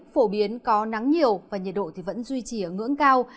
phổ biến có nắng nhiều và nhiệt độ vẫn duy trì ở ngưỡng cao